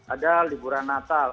ada liburan natal